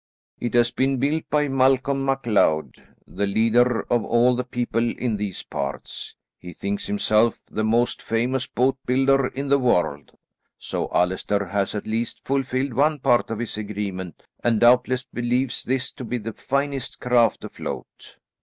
It has been built by Malcolm MacLeod, the leader of all the people in these parts. He thinks himself the most famous boat builder in the world, so Allaster has at least fulfilled one part of his agreement, and doubtless believes this to be the finest craft afloat."